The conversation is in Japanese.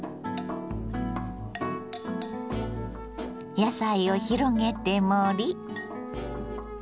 野菜を広げて盛り。